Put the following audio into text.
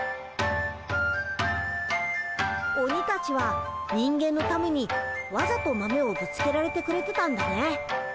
鬼たちは人間のためにわざと豆をぶつけられてくれてたんだね。